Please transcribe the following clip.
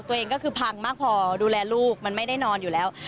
ตัวเองก็คือพังมากพอดูแลลูกมันไม่ได้นอนอยู่แล้ว